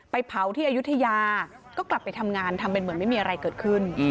เผาที่อายุทยาก็กลับไปทำงานทำเป็นเหมือนไม่มีอะไรเกิดขึ้น